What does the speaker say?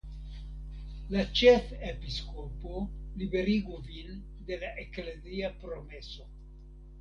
La ĉefepiskopo liberigu vin de la eklezia promeso.